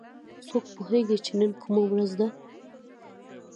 څوک پوهیږي چې نن کومه ورځ ده